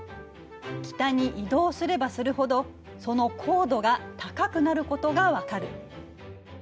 北に移動すればするほどその高度が高くなることがわかる。